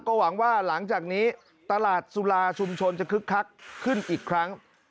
ก็หวังว่าหลังจากนี้ตลาดสุราชุมชนจะคึกคักขึ้นอีกครั้ง